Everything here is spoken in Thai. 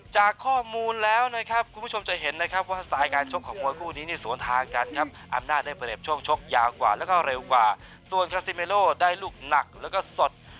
จากข้อมูลแล้วนะครับคุณผู้ชมจะเห็นนะครับว่าสไตล์การชกของมวยคู่นี้เนี่ยสวนทางกันครับอำนาจได้เปรียบช่วงชกยาวกว่าแล้วก็เร็วกว่าส่วนคาซิเมโลได้ลูกหนักแล้วก็สด